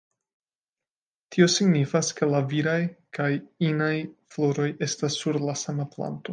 Tio signifas, ke la viraj kaj inaj floroj estas sur la sama planto.